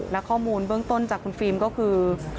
และข้อมูลเบื้องต้นจากคุณฟิล์มก็คือ